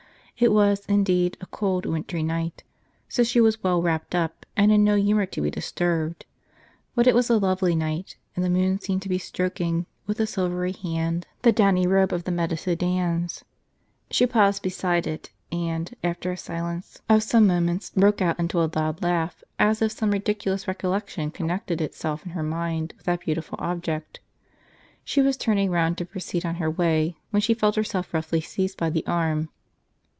It was, indeed, a cold wintiy night, so she was well wrapped up, and in no humor to be disturbed. But it was a lovely night, and the moon seemed to be stroking, with a, silvery hand, the downy robe of the meta sudcms* She paused beside it; and, after a silence of some moments, broke out into a loud laugh, as if some ridiculous recollection con nected itself in her mind with that beautiful object. She was turning round to proceed on her way, when she felt herself roughly seized by the arm.